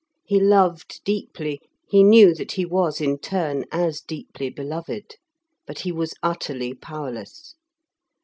He loved deeply, he knew that he was in turn as deeply beloved; but he was utterly powerless.